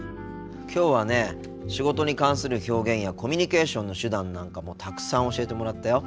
きょうはね仕事に関する表現やコミュニケーションの手段なんかもたくさん教えてもらったよ。